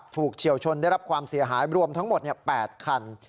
เฉียวชนได้รับความเสียหายรวมทั้งหมด๘คัน